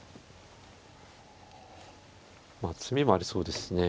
まあ詰みもありそうですしね。